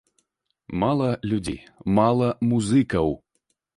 Мала людзей, мала музыкаў.